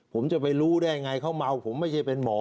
ผมจะไปรู้ได้ไงเขาเมาผมไม่ใช่เป็นหมอ